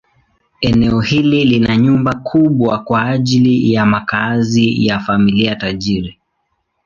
Eneo hili lina nyumba kubwa kwa ajili ya makazi ya familia tajiri.